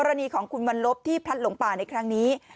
รณีของคุณวันลบที่พลัดหลงป่าในครั้งนี้